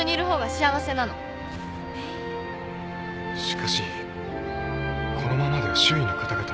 しかしこのままでは周囲の方々も危険です。